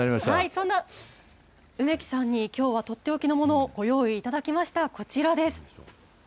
その梅木さんに、きょうは取って置きのものをご用意いただきました、こちらです。